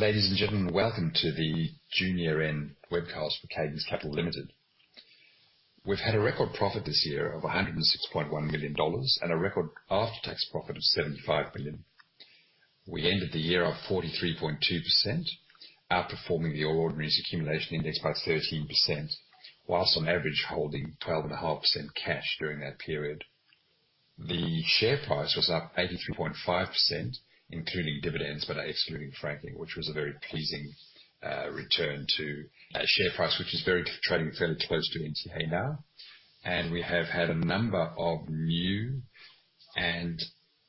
Ladies and gentlemen, welcome to the June year-end webcast for Cadence Capital Limited. We've had a record profit this year of 106.1 million dollars and a record after-tax profit of 75 million. We ended the year up 43.2%, outperforming the All Ordinaries Accumulation Index by 13%, while on average, holding 12.5% cash during that period. The share price was up 83.5%, including dividends but excluding franking, which was a very pleasing return to that share price, which is trading fairly close to NTA now. We have had a number of new and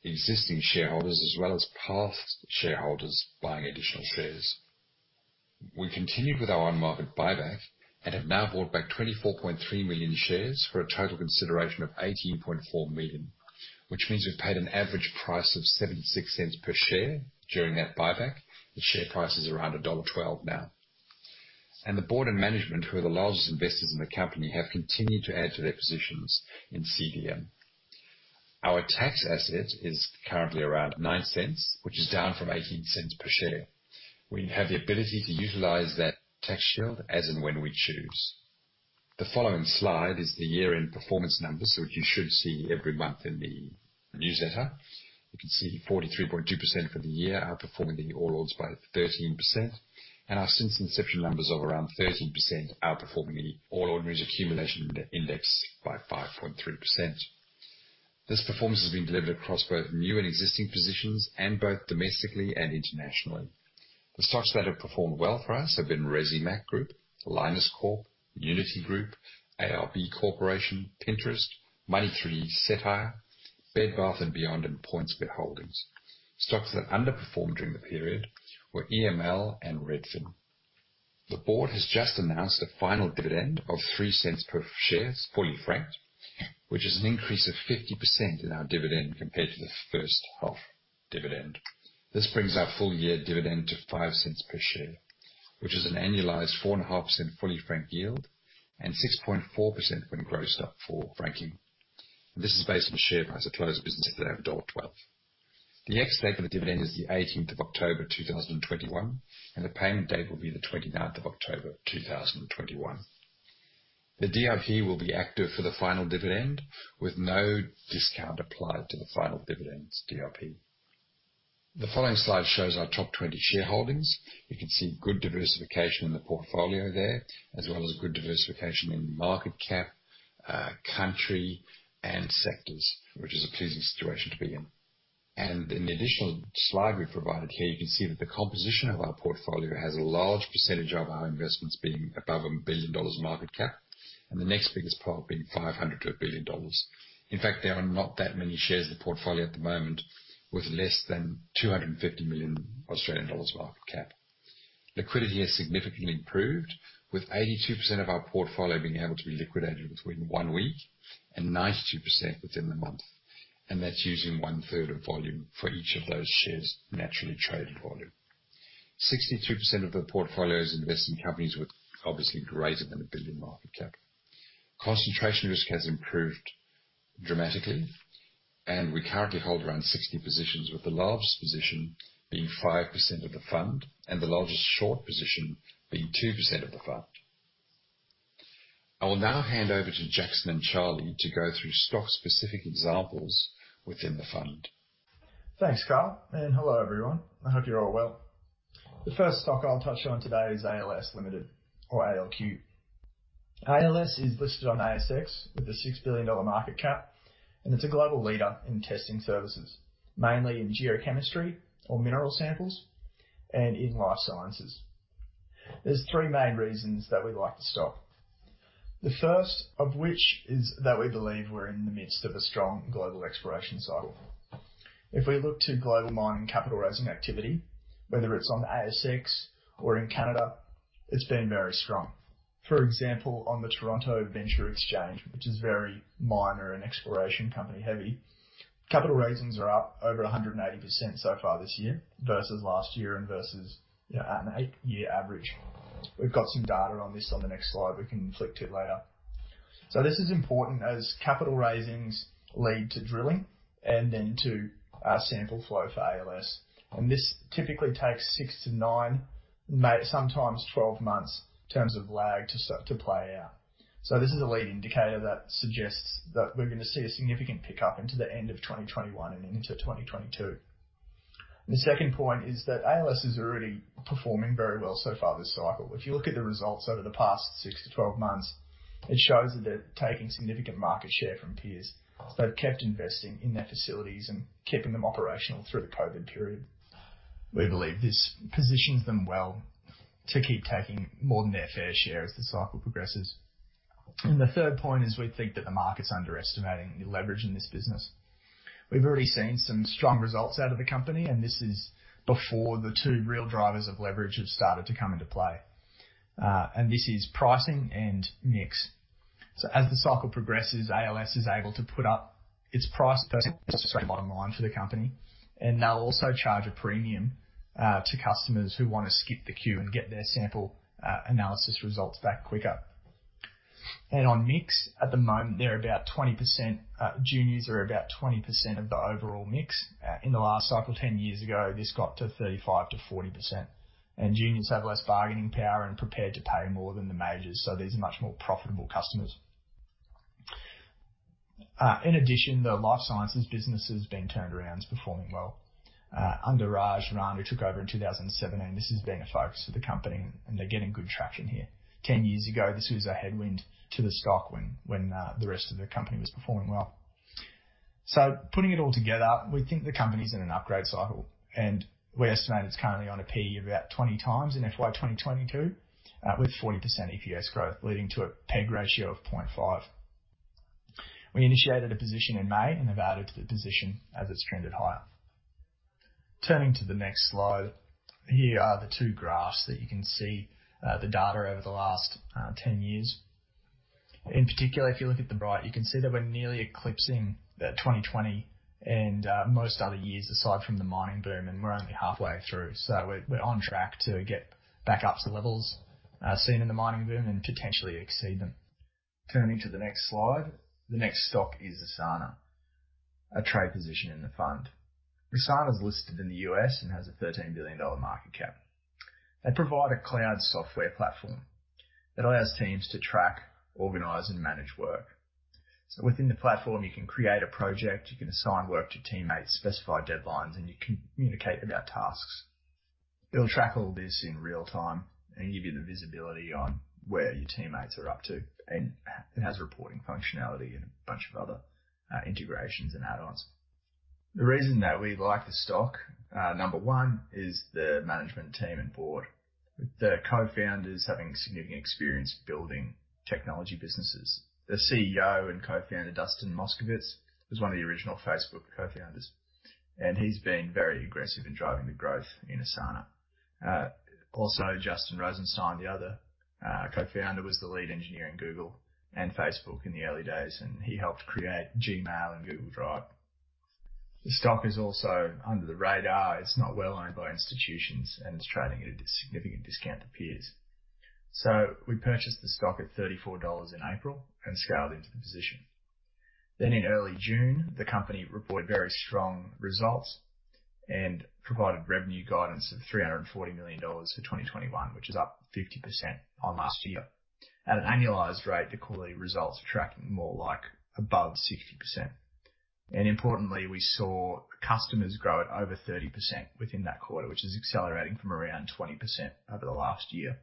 existing shareholders as well as past shareholders buying additional shares. We continued with our on-market buyback and have now bought back 24.3 million shares for a total consideration of 18.4 million, which means we've paid an average price of 0.76 per share during that buyback. The share price is around dollar 1.12 now. The board and management, who are the largest investors in the company, have continued to add to their positions in CDM. Our tax asset is currently around 0.09, which is down from 0.18 per share. We have the ability to utilize that tax shield as and when we choose. The following slide is the year-end performance numbers, which you should see every month in the newsletter. You can see 43.2% for the year, outperforming the All Ords by 13%, and our since inception numbers of around 13%, outperforming the All Ordinaries Accumulation Index by 5.3%. This performance has been delivered across both new and existing positions and both domestically and internationally. The stocks that have performed well for us have been Resimac Group, Lynas Corp, Uniti Group, ARB Corporation, Pinterest, Money3, Cettire, Bed Bath & Beyond, and PointsBet Holdings. Stocks that underperformed during the period were EML and Redfin. The board has just announced a final dividend of 0.03 per share, fully franked, which is an increase of 50% in our dividend compared to the first half dividend. This brings our full-year dividend to 0.05 per share, which is an annualized 4.5% fully franked yield and 6.4% when grossed up for franking. This is based on the share price at close of business today of dollar 1.12. The ex-date for the dividend is the 18th of October 2021, and the payment date will be the 29th of October 2021. The DRP will be active for the final dividend, with no discount applied to the final dividend's DRP. The following slide shows our top 20 shareholdings. You can see good diversification in the portfolio there, as well as good diversification in market cap, country, and sectors, which is a pleasing situation to be in. In the additional slide we've provided here, you can see that the composition of our portfolio has a large percentage of our investments being above 1 billion dollars market cap, the next biggest pile being 500 million-1 billion dollars. In fact, there are not that many shares in the portfolio at the moment with less than 250 million Australian dollars market cap. Liquidity has significantly improved, with 82% of our portfolio being able to be liquidated within one week and 92% within the month. That's using one-third of volume for each of those shares' naturally traded volume. 62% of the portfolio is invested in companies with obviously greater than 1 billion market cap. Concentration risk has improved dramatically, and we currently hold around 60 positions, with the largest position being 5% of the fund and the largest short position being 2% of the fund. I will now hand over to Jackson and Charlie to go through stock-specific examples within the fund. Thanks, Karl, hello, everyone. I hope you're all well. The first stock I'll touch on today is ALS Limited or ALQ. ALS is listed on ASX with an 6 billion dollar market cap, it's a global leader in testing services, mainly in geochemistry or mineral samples and in life sciences. There's three main reasons that we like the stock. The first of which is that we believe we're in the midst of a strong global exploration cycle. If we look to global mining capital raising activity, whether it's on ASX or in Canada, it's been very strong. For example, on the Toronto Venture Exchange, which is very minor and exploration company heavy, capital raisings are up over 180% so far this year versus last year and versus an 8-year average. We've got some data on this on the next slide. We can flick to it later. This is important as capital raisings lead to drilling and then to our sample flow for ALS. This typically takes six to nine, sometimes 12 months in terms of lag to play out. This is a lead indicator that suggests that we're going to see a significant pickup into the end of 2021 and into 2022. The second point is that ALS is already performing very well so far this cycle. If you look at the results over the past six to 12 months, it shows that they're taking significant market share from peers. They've kept investing in their facilities and keeping them operational through the COVID period. We believe this positions them well to keep taking more than their fair share as the cycle progresses. The third point is we think that the market's underestimating the leverage in this business. We've already seen some strong results out of the company. This is before the two real drivers of leverage have started to come into play. This is pricing and mix. As the cycle progresses, ALS is able to put up its price bottom line for the company, and they'll also charge a premium to customers who want to skip the queue and get their sample analysis results back quicker. On mix, at the moment, juniors are about 20% of the overall mix. In the last cycle, 10 years ago, this got to 35%-40%. Juniors have less bargaining power and prepared to pay more than the majors. These are much more profitable customers. In addition, the life sciences business has been turned around, is performing well. Under Raj who took over in 2017, this has been a focus for the company, and they're getting good traction here. 10 years ago, this was a headwind to the stock when the rest of the company was performing well. Putting it all together, we think the company's in an upgrade cycle, and we estimate it's currently on a P/E of about 20 times in FY2022, with 40% EPS growth, leading to a PEG ratio of 0.5. We initiated a position in May and have added to the position as it's trended higher. Turning to the next slide. Here are the two graphs that you can see, the data over the last 10 years. In particular, if you look at the right, you can see that we're nearly eclipsing the 2020 and most other years aside from the mining boom, and we're only halfway through. We're on track to get back up to levels seen in the mining boom and potentially exceed them. Turning to the next slide. The next stock is Asana, a trade position in the fund. Asana is listed in the U.S. and has a $13 billion market cap. They provide a cloud software platform that allows teams to track, organize, and manage work. Within the platform, you can create a project, you can assign work to teammates, specify deadlines, and you can communicate about tasks. It'll track all this in real-time and give you the visibility on where your teammates are up to. It has reporting functionality and a bunch of other integrations and add-ons. The reason that we like the stock, number one, is the management team and board. The co-founders having significant experience building technology businesses. The CEO and Co-Founder, Dustin Moskovitz, was one of the original Facebook Co-Founders. He's been very aggressive in driving the growth in Asana. Justin Rosenstein, the other Co-Founder, was the lead engineer in Google and Facebook in the early days. He helped create Gmail and Google Drive. The stock is also under the radar. It's not well-owned by institutions. It's trading at a significant discount to peers. We purchased the stock at 34 dollars in April. We scaled into the position. In early June, the company reported very strong results. It provided revenue guidance of 340 million dollars for 2021, which is up 50% on last year. At an annualized rate, the quarterly results are tracking more like above 60%. Importantly, we saw customers grow at over 30% within that quarter, which is accelerating from around 20% over the last year.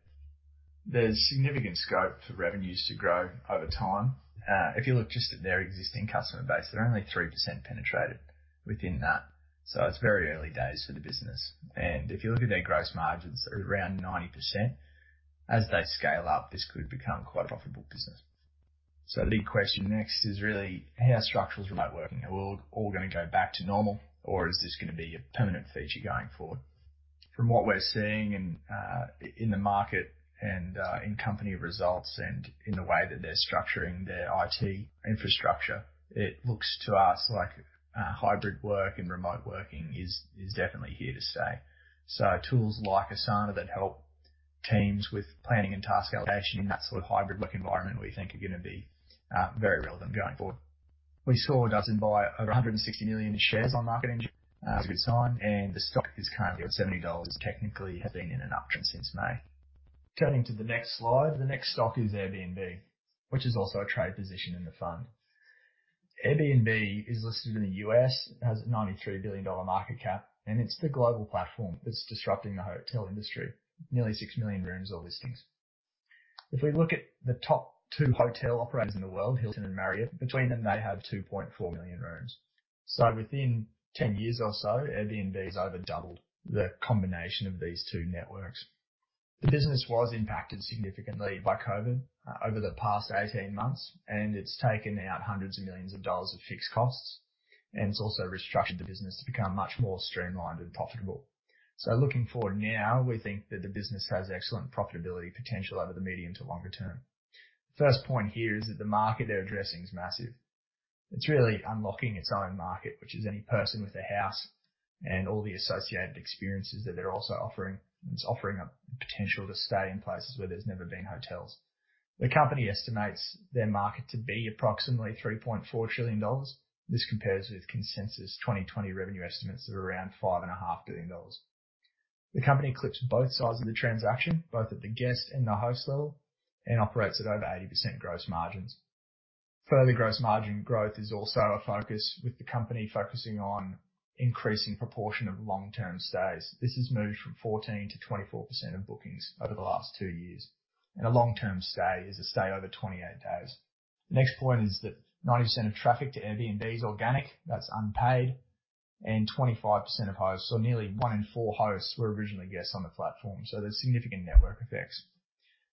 There's significant scope for revenues to grow over time. If you look just at their existing customer base, they're only 3% penetrated within that. It's very early days for the business. If you look at their gross margins, they're around 90%. As they scale up, this could become quite a profitable business. The big question next is really how structural is remote working? Are we all going to go back to normal, or is this going to be a permanent feature going forward? From what we're seeing in the market and in company results and in the way that they're structuring their IT infrastructure, it looks to us like hybrid work and remote working is definitely here to stay. Tools like Asana that help teams with planning and task allocation in that sort of hybrid work environment, we think are going to be very relevant going forward. We saw Cadence buy over 160 million shares on market in June. That's a good sign. The stock is currently at 70 dollars, technically has been in an uptrend since May. Turning to the next slide. The next stock is Airbnb, which is also a trade position in the fund. Airbnb is listed in the U.S., has a 93 billion dollar market cap, and it's the global platform that's disrupting the hotel industry. Nearly 6 million rooms or listings. If we look at the top two hotel operators in the world, Hilton and Marriott, between them, they have 2.4 million rooms. Within 10 years or so, Airbnb has over doubled the combination of these two networks. The business was impacted significantly by COVID over the past 18 months, and it's taken out AUD hundreds of millions of fixed costs, and it's also restructured the business to become much more streamlined and profitable. Looking forward now, we think that the business has excellent profitability potential over the medium to longer term. The first point here is that the market they're addressing is massive. It's really unlocking its own market, which is any person with a house and all the associated experiences that they're also offering. It's offering a potential to stay in places where there's never been hotels. The company estimates their market to be approximately 3.4 trillion dollars. This compares with consensus 2020 revenue estimates of around 5.5 billion dollars. The company clips both sides of the transaction, both at the guest and the host level, and operates at over 80% gross margins. Further gross margin growth is also a focus, with the company focusing on increasing proportion of long-term stays. This has moved from 14% to 24% of bookings over the last two years, and a long-term stay is a stay over 28 days. The next point is that 90% of traffic to Airbnb is organic, that's unpaid, and 25% of hosts. Nearly 1 in 4 hosts were originally guests on the platform. There's significant network effects.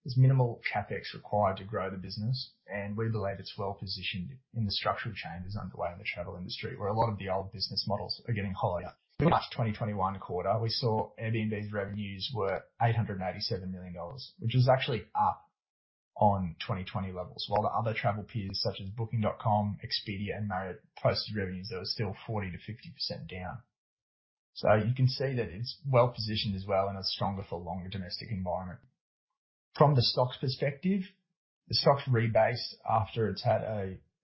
There's minimal CapEx required to grow the business, and we believe it's well-positioned in the structural change that's underway in the travel industry, where a lot of the old business models are getting hollowed. In the Q1 2021 quarter, we saw Airbnb's revenues were 887 million dollars, which is actually up on 2020 levels, while the other travel peers such as Booking.com, Expedia, and Marriott posted revenues that were still 40%-50% down. You can see that it's well-positioned as well in a stronger for longer domestic environment. From the stocks perspective, the stock's rebased after it's had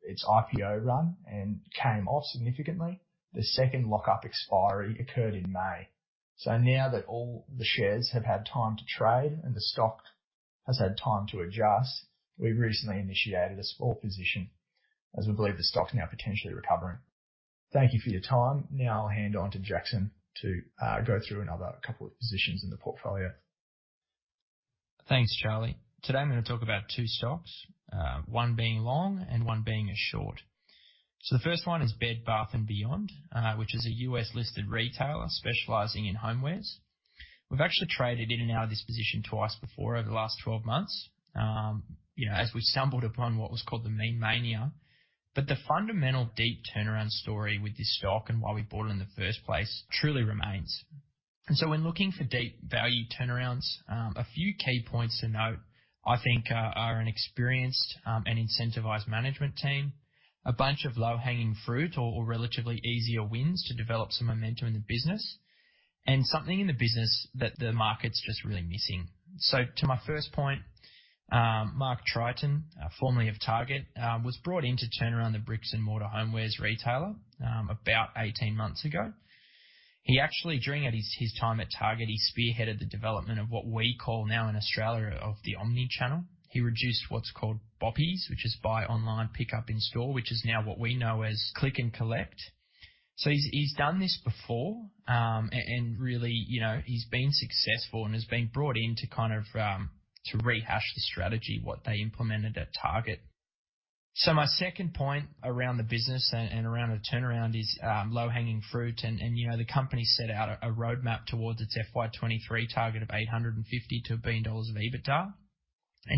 its IPO run and came off significantly. The second lock-up expiry occurred in May. Now that all the shares have had time to trade and the stock has had time to adjust, we recently initiated a small position as we believe the stock's now potentially recovering. Thank you for your time. Now I'll hand on to Jackson to go through another couple of positions in the portfolio. Thanks, Charlie. Today, I'm gonna talk about two stocks, one being long and one being a short. The first one is Bed Bath & Beyond, which is a U.S.-listed retailer specializing in homewares. We've actually traded in and out of this position twice before over the last 12 months. As we stumbled upon what was called the meme mania. The fundamental deep turnaround story with this stock and why we bought it in the first place truly remains. When looking for deep value turnarounds, a few key points to note, I think, are an experienced and incentivized management team, a bunch of low-hanging fruit or relatively easier wins to develop some momentum in the business, and something in the business that the market's just really missing. To my first point, Mark Tritton, formerly of Target, was brought in to turn around the bricks and mortar homewares retailer about 18 months ago. He actually, during his time at Target, he spearheaded the development of what we call now in Australia of the omnichannel. He reduced what's called BOPIS, which is Buy Online, Pick Up In-Store, which is now what we know as Click and Collect. He's done this before, and really, he's been successful and has been brought in to rehash the strategy, what they implemented at Target. My second point around the business and around the turnaround is low-hanging fruit, and the company set out a roadmap towards its FY2023 target of AUD 850 million to 1 billion dollars of EBITDA.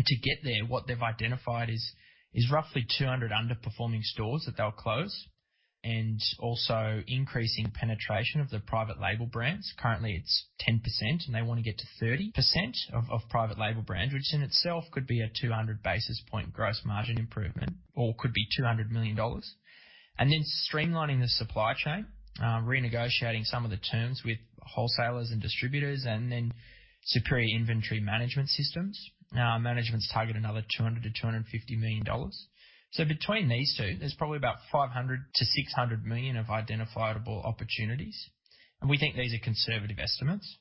To get there, what they've identified is roughly 200 underperforming stores that they'll close, and also increasing penetration of the private label brands. Currently, it's 10%, and they want to get to 30% of private label brands, which in itself could be a 200 basis point gross margin improvement, or could be 200 million dollars. Streamlining the supply chain, renegotiating some of the terms with wholesalers and distributors, and then superior inventory management systems. Management's target another 200 million-250 million dollars. Between these two, there's probably about 500 million-600 million of identifiable opportunities, and we think these are conservative estimates.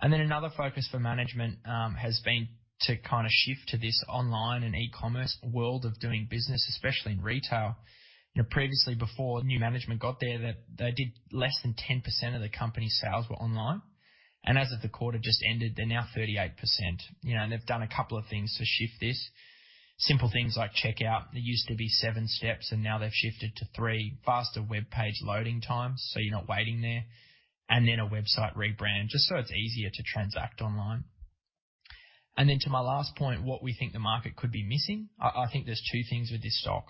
Another focus for management has been to shift to this online and e-commerce world of doing business, especially in retail. Previously, before new management got there, they did less than 10% of the company's sales were online. As of the quarter just ended, they're now 38%. They've done a couple of things to shift this. Simple things like checkout. They used to be seven steps, and now they've shifted to 3. Faster web page loading times, so you're not waiting there. A website rebrand, just so it's easier to transact online. To my last point, what we think the market could be missing. I think there's two things with this stock.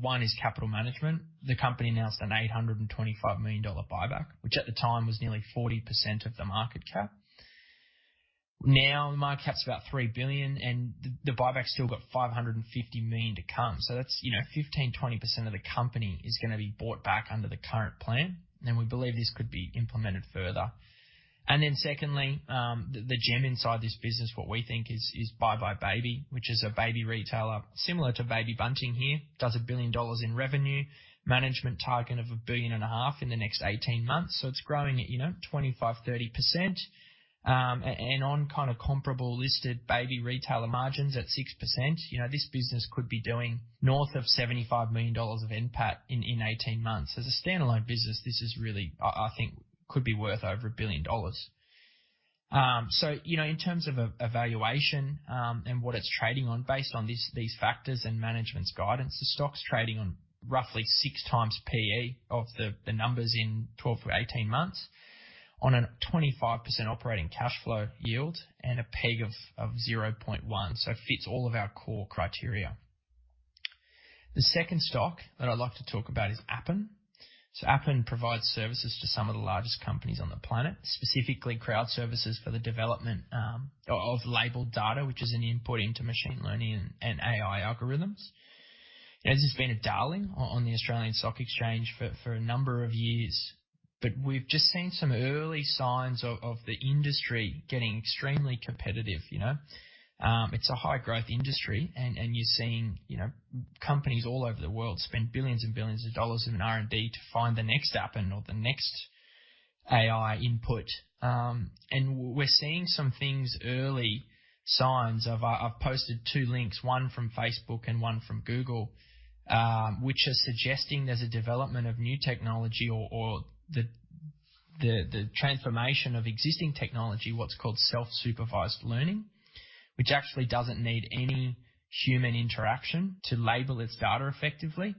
One is capital management. The company announced an 825 million dollar buyback, which at the time was nearly 40% of the market cap. Now the market cap's about 3 billion and the buyback's still got 550 million to come. That's 15%-20% of the company is gonna be bought back under the current plan, and we believe this could be implemented further. Secondly, the gem inside this business, what we think is buybuy BABY, which is a baby retailer similar to Baby Bunting here. Does 1 billion dollars in revenue. Management target of 1.5 billion in the next 18 months. It's growing at 25%-30%. On comparable listed baby retailer margins at 6%. This business could be doing north of 75 million dollars of NPAT in 18 months. As a standalone business, this is really, I think, could be worth over 1 billion dollars. In terms of a valuation, and what it's trading on based on these factors and management's guidance, the stock's trading on roughly six times P/E of the numbers in 12-18 months on a 25% operating cash flow yield and a PEG of 0.1, so it fits all of our core criteria. The second stock that I'd like to talk about is Appen. Appen provides services to some of the largest companies on the planet, specifically crowd services for the development of labeled data, which is an input into machine learning and AI algorithms. It has just been a darling on the Australian Securities Exchange for a number of years. We've just seen some early signs of the industry getting extremely competitive. It's a high-growth industry, and you're seeing companies all over the world spend billions and billions of dollars in R&D to find the next Appen or the next AI input. We're seeing some things early signs of I've posted two links, one from Facebook and one from Google, which are suggesting there's a development of new technology or the transformation of existing technology, what's called self-supervised learning, which actually doesn't need any human interaction to label its data effectively.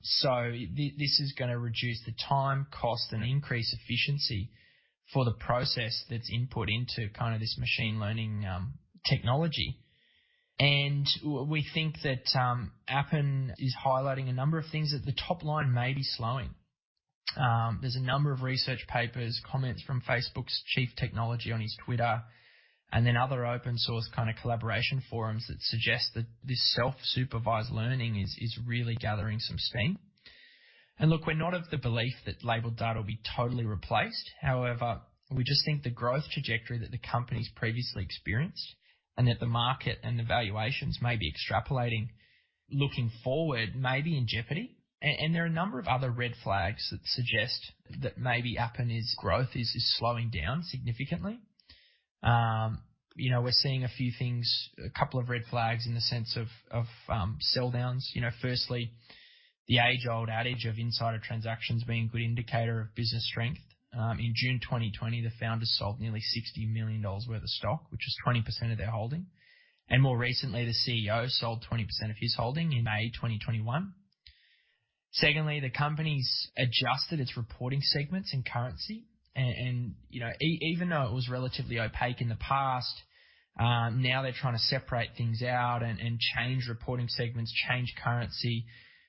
This is gonna reduce the time, cost, and increase efficiency for the process that's input into this machine learning technology. We think that Appen is highlighting a number of things that the top line may be slowing. There's a number of research papers, comments from Facebook's chief technology on his Twitter, and then other open-source collaboration forums that suggest that this self-supervised learning is really gathering some steam. Look, we're not of the belief that labeled data will be totally replaced. However, we just think the growth trajectory that the company's previously experienced and that the market and the valuations may be extrapolating looking forward may be in jeopardy. There are a number of other red flags that suggest that maybe Appen's growth is slowing down significantly. We're seeing a few things, a couple of red flags in the sense of sell downs. Firstly, the age old adage of insider transactions being a good indicator of business strength. In June 2020, the founders sold nearly 60 million dollars worth of stock, which is 20% of their holding. More recently, the CEO sold 20% of his holding in May 2021. Secondly, the company's adjusted its reporting segments and currency. Even though it was relatively opaque in the past, now they're trying to separate things out and change reporting segments, change currency,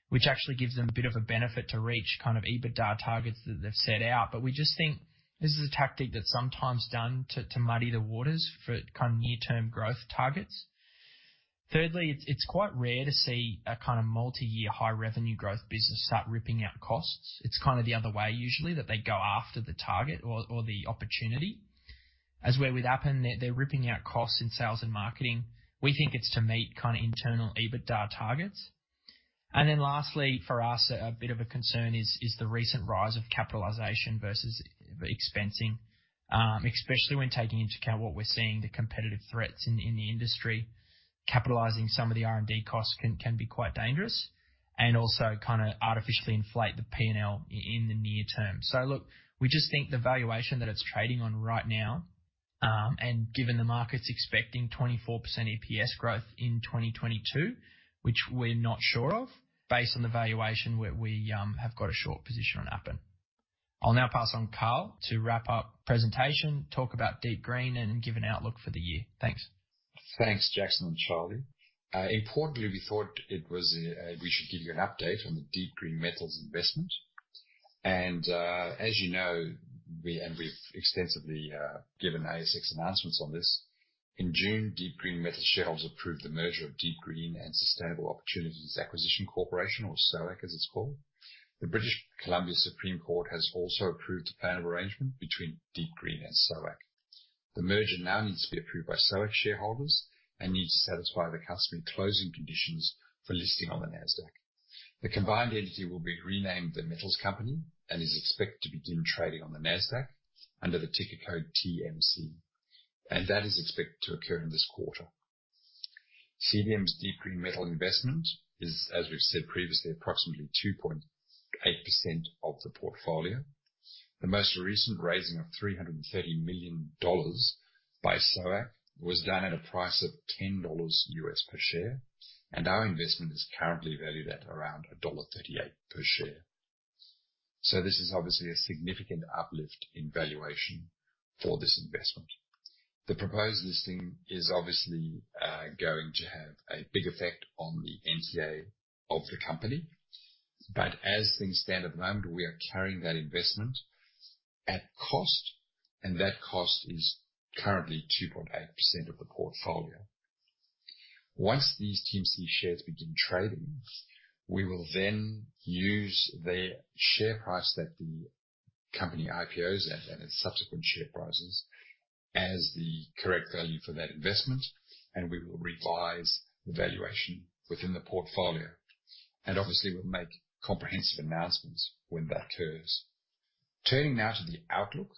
which actually gives them a bit of a benefit to reach kind of EBITDA targets that they've set out. We just think this is a tactic that's sometimes done to muddy the waters for near-term growth targets. Thirdly, it's quite rare to see a multi-year high revenue growth business start ripping out costs. It's the other way usually, that they go after the target or the opportunity. As where with Appen, they're ripping out costs in sales and marketing. We think it's to meet internal EBITDA targets. Lastly, for us, a bit of a concern is the recent rise of capitalization versus expensing, especially when taking into account what we're seeing, the competitive threats in the industry. Capitalizing some of the R&D costs can be quite dangerous and also artificially inflate the P&L in the near-term. We just think the valuation that it's trading on right now, and given the market's expecting 24% EPS growth in 2022, which we're not sure of, based on the valuation, we have got a short position on Appen. I'll now pass on Karl to wrap up presentation, talk about DeepGreen, and give an outlook for the year. Thanks. Thanks, Jackson and Charlie. Importantly, we thought we should give you an update on the DeepGreen Metals investment. As you know, and we've extensively given ASX announcements on this, in June, DeepGreen Metals shareholders approved the merger of DeepGreen and Sustainable Opportunities Acquisition Corporation, or SOAC as it's called. The Supreme Court of British Columbia has also approved a plan of arrangement between DeepGreen and SOAC. The merger now needs to be approved by SOAC shareholders and needs to satisfy the customary closing conditions for listing on the Nasdaq. The combined entity will be renamed The Metals Company and is expected to begin trading on the Nasdaq under the ticker code TMC. That is expected to occur in this quarter. CDM's DeepGreen Metals investment is, as we've said previously, approximately 2.8% of the portfolio. The most recent raising of $330 million by SOAC was done at a price of $10 per share. Our investment is currently valued at around $1.38 per share. This is obviously a significant uplift in valuation for this investment. The proposed listing is obviously going to have a big effect on the NTA of the company. As things stand at the moment, we are carrying that investment at cost. That cost is currently 2.8% of the portfolio. Once these TMC shares begin trading, we will then use their share price that the company IPOs at and its subsequent share prices as the correct value for that investment. We will revise the valuation within the portfolio. Obviously, we will make comprehensive announcements when that occurs. Turning now to the outlook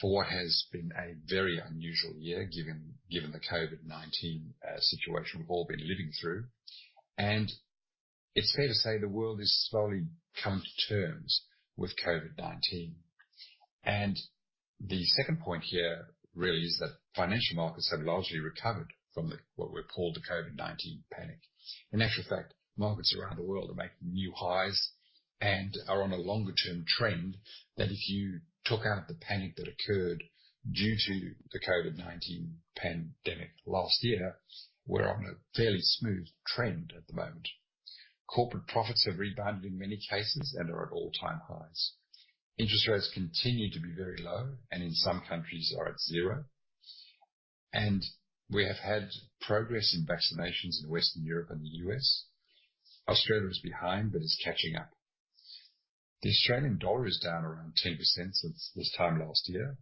for what has been a very unusual year, given the COVID-19 situation we've all been living through. It's fair to say the world is slowly coming to terms with COVID-19. The second point here really is that financial markets have largely recovered from what were called the COVID-19 panic. In actual fact, markets around the world are making new highs and are on a longer-term trend that if you took out the panic that occurred due to the COVID-19 pandemic last year, we're on a fairly smooth trend at the moment. Corporate profits have rebounded in many cases and are at all-time highs. Interest rates continue to be very low and in some countries are at zero. We have had progress in vaccinations in Western Europe and the U.S. Australia is behind, but is catching up. The Australian dollar is down around 10% since this time last year,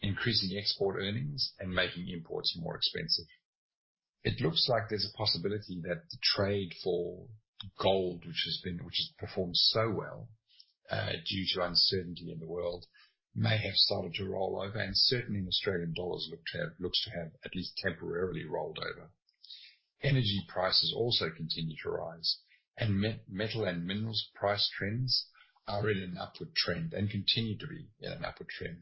increasing export earnings and making imports more expensive. It looks like there's a possibility that the trade for gold, which has performed so well due to uncertainty in the world, may have started to roll over, and certainly in Australian dollars looks to have at least temporarily rolled over. Energy prices also continue to rise, and metal and minerals price trends are in an upward trend and continue to be in an upward trend.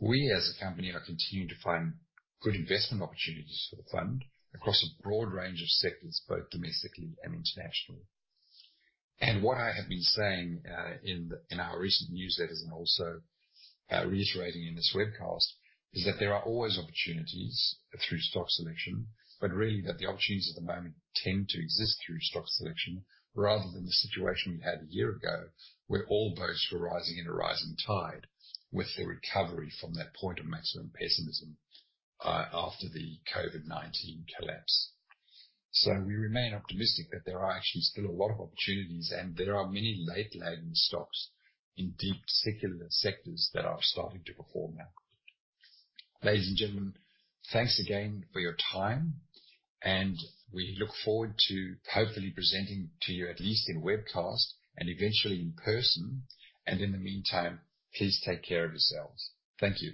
We, as a company, are continuing to find good investment opportunities for the fund across a broad range of sectors, both domestically and internationally. What I have been saying in our recent newsletters and also reiterating in this webcast is that there are always opportunities through stock selection, but really that the opportunities at the moment tend to exist through stock selection rather than the situation we had a year ago where all boats were rising in a rising tide with the recovery from that point of maximum pessimism after the COVID-19 collapse. We remain optimistic that there are actually still a lot of opportunities and there are many late-cycle stocks in deep secular sectors that are starting to perform now. Ladies and gentlemen, thanks again for your time, and we look forward to hopefully presenting to you, at least in webcast and eventually in person. In the meantime, please take care of yourselves. Thank you.